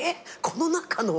この中の？